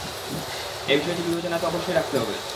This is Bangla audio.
এ বিষয়টি বিবেচনায় তো অবশ্যই রাখতে হবে।